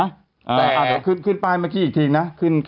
แต่อาจจะขึ้นไปเมื่อกี้อีกทีนะ